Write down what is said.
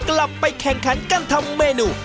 กลับไปแข่งขันกันทำเมนู